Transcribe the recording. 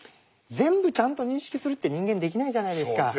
全部ちゃんと認識するって人間できないじゃないですか。